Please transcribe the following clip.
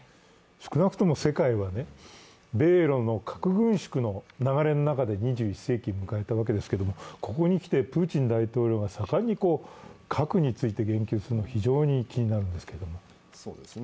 少なくとも世界は米ロの核軍縮の流れの中で２１世紀を迎えたわけですけれども、ここに来てプーチン大統領が盛んに核について言及するのが非常に気になるんですが。